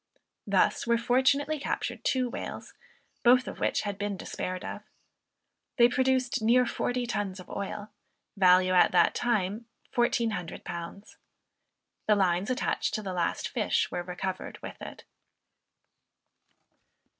Thus were fortunately captured two whales, both of which had been despaired of. They produced near forty tons of oil, value, at that time £1400. The lines attached to the last fish were recovered with it.